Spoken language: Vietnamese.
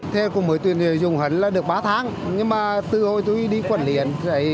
theo cùng mỗi tuyển dùng hẳn là được ba tháng nhưng mà từ hồi tôi đi quản liện